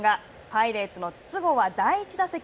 パイレーツの筒香は第１打席。